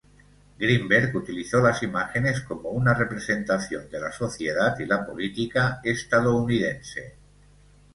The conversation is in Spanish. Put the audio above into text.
Greenberg utilizó las imágenes como una representación de la sociedad y la política estadounidense.